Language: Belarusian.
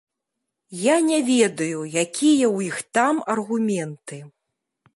Я не ведаю, якія ў іх там аргументы.